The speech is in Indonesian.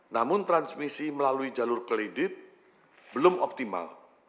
namun transmisi melalui jalur kredit belum optimal